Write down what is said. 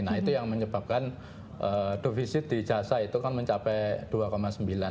nah itu yang menyebabkan defisit di jasa itu kan mencapai dua sembilan